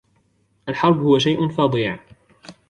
الحرب هو شيءٌ فظيع.